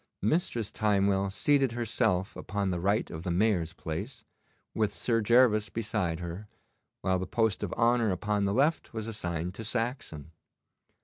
Mistress Timewell seated herself upon the right of the Mayor's place, with Sir Gervas beside her, while the post of honour upon the left was assigned to Saxon.